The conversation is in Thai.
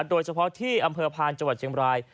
โดยเฉพาะที่อำเภอพาลจเชียงบราย